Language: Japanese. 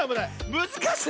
むずかしい！